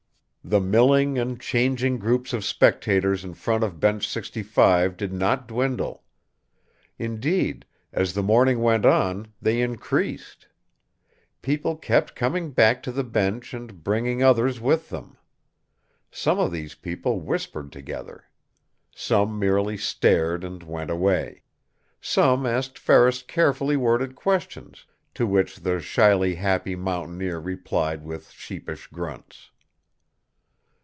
The milling and changing groups of spectators in front of Bench 65 did not dwindle. Indeed, as the morning went on, they increased. People kept coming back to the bench and bringing others with them. Some of these people whispered together. Some merely stared and went away. Some asked Ferris carefully worded questions, to which the shyly happy mountaineer replied with sheepish grunts.